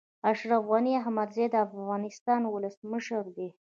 اشرف غني احمدزی د افغانستان ولسمشر دی